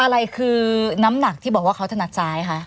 อะไรคือน้ำหนักที่บอกว่าเขาถนัดซ้ายคะ